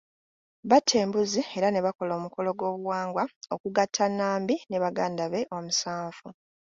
Batta embuzi, era ne bakola omukolo gw'obuwangwa okugatta Nambi ne baganda be omusanvu.